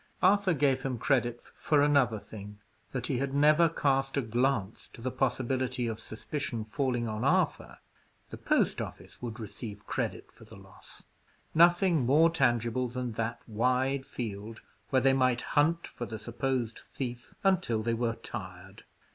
Arthur gave him credit for another thing that he had never cast a glance to the possibility of suspicion falling on Arthur; the post office would receive credit for the loss. Nothing more tangible than that wide field, where they might hunt for the supposed thief until they were tired.